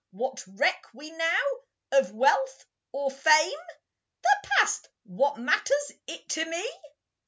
What reck we now of wealth or fame? The past what matters it to me?